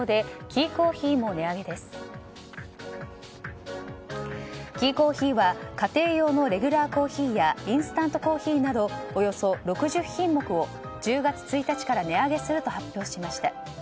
キーコーヒーは家庭用のレギュラーコーヒーやインスタントコーヒーなどおよそ６０品目を１０月１日から値上げすると発表しました。